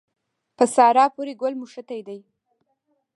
په سارا پورې ګل مښتی دی.